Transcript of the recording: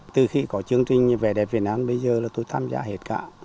từ khi có chương trình vẻ đẹp việt nam bây giờ là tôi tham gia hết cả